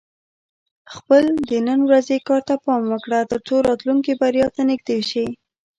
خپل د نن ورځې کار ته پام وکړه، ترڅو راتلونکې بریا ته نږدې شې.